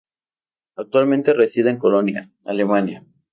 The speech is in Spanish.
Actualmente reside en Colonia, Alemania.